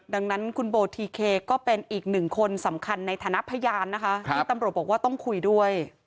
ดังนั้นคุณโบทีเคก็เป็นอีกหนึ่งคนสำคัญในฐานะพยานนะคะที่ตำรวจบอกว่าต้องคุยด้วย